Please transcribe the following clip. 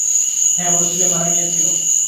হ্যাঁ, ওর ছেলে মারা গিয়েছিল।